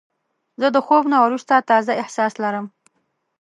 زه د خوب نه وروسته تازه احساس لرم.